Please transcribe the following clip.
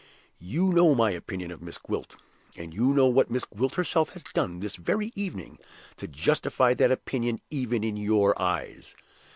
You know my opinion of Miss Gwilt; and you know what Miss Gwilt herself has done this very evening to justify that opinion even in your eyes.